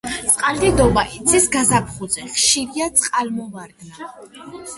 წყალდიდობა იცის გაზაფხულზე, ხშირია წყალმოვარდნა.